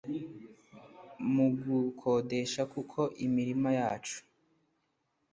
mugukodesha kuko imirima yacu